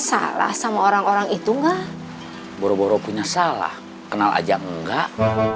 salah sama orang orang itu enggak boro boro punya salah kenal aja enggak